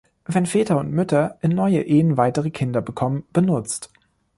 Wenn Väter oder Mütter in neuen Ehen weitere Kinder bekommen“ benutzt.